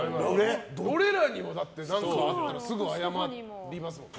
俺らにも何かあったら謝りますもんね。